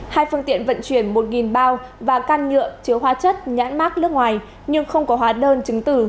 hai phương tiện vận chuyển một bao và can nhựa chứa hóa chất nhãn mát nước ngoài nhưng không có hóa đơn chứng tử